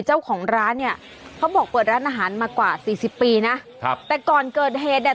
เจ้าของร้านเนี่ยเขาบอกเปิดร้านอาหารมากว่าสี่สิบปีนะครับแต่ก่อนเกิดเหตุเนี่ย